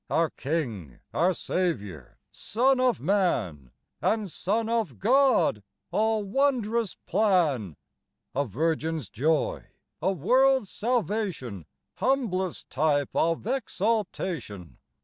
Our King, our Saviour, Son of Man, And Son of God all wondrous plan! A Virgin's joy; a world's salvation; Humblest type of exaltation!